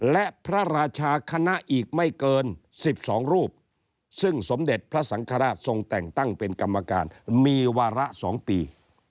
และพระราชาคณะอีกไม่เกิน๑๒รูปซึ่งสมเด็จพระสังฆราชทรงแต่งตั้งเป็นกรรมการมีวาระ๒ปี